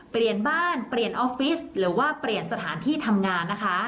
เปลี่ยนบ้านเปลี่ยนออฟฟิศหรือว่าเปลี่ยนสถานที่ทำงานนะคะ